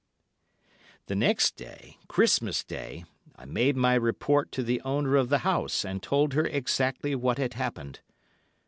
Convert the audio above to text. "The next day—Christmas Day—I made my report to the owner of the house, and told her exactly what had happened.